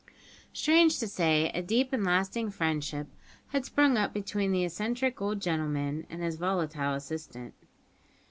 Strange to say, a deep and lasting friendship had sprung up between the eccentric old gentleman and his volatile assistant.